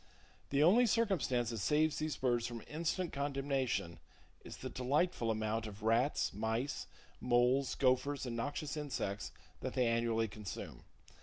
The only circumstance that saves these birds from instant condemnation is the delightful amount of rats, mice, moles, gophers and noxious insects that they annually consume.